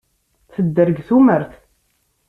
Tedder deg tumert.